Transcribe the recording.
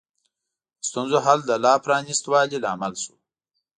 د ستونزو حل د لا پرانیست والي لامل شو.